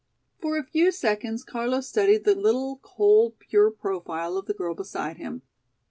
For a few seconds Carlo studied the little cold, pure profile of the girl beside him.